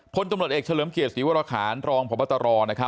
คนจำลัดเอกเฉลิมเขียนศีลวรขาลรองพตร